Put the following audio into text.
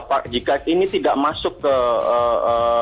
masalah ini sebenarnya menjadi perhatian kami setiap tahun